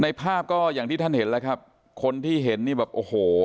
ภาพก็อย่างที่ท่านเห็นแล้วครับคนที่เห็นนี่แบบโอ้โห